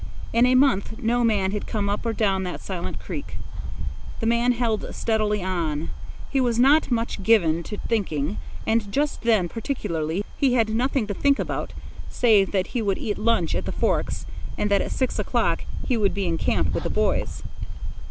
In a month no man had come up or down that silent creek. The man held steadily on. He was not much given to thinking, and just then particularly he had nothing to think about save that he would eat lunch at the forks and that at six o'clock he would be in camp with the boys.